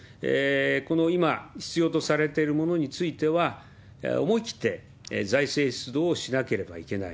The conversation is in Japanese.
この今必要とされてるものについては、思い切って財政出動をしなければいけない。